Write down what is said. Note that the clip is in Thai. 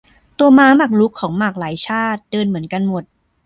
ตัวม้าหมากรุกของหมากหลายชาติ เดินเหมือนกันหมด